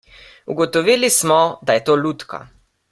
Ugotovili smo, da je to lutka.